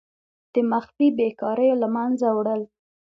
د مخفي بیکاریو له منځه وړل.